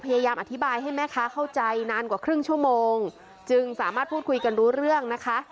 พยายามอธิบายให้แม่ค้าเข้าใจนานกว่าครึ่งชั่วโมงจึงสามารถพูดคุยกันรู้เรื่องนะคะ